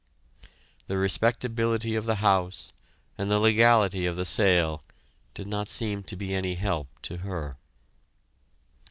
The respectability of the house and the legality of the sale did not seem to be any help to her.